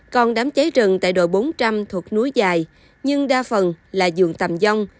còn đám cháy rừng tại đội bốn trăm linh thuộc núi dài nhưng đa phần là dường tầm dông